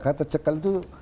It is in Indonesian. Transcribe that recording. kata cekal itu